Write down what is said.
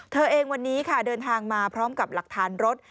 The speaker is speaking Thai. เธอเองวันนี้ค่ะเดินทางมาพร้อมกับหลักฐานรถ